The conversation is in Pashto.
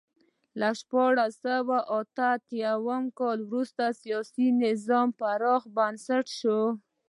له شپاړس سوه اته اتیا وروسته سیاسي نظام پراخ بنسټه شو.